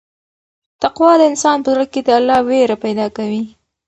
تقوا د انسان په زړه کې د الله وېره پیدا کوي.